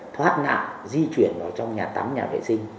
thoát nạn di chuyển vào trong nhà tắm nhà vệ sinh